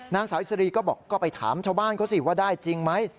นางสาวอิสรีก็บอกก็ไปถามชาวบ้านเขาสิว่าได้จริงไหม